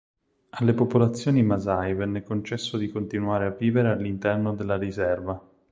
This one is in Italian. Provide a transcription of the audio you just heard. Alle popolazioni Masai venne concesso di continuare a vivere all'interno della riserva.